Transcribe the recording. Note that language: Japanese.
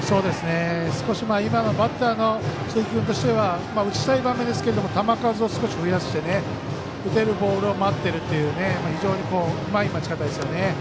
少し今のバッターの鈴木君としては打ちたい場面ですけど球数を少し増やして打てるボールを待っているといううまい待ち方ですね。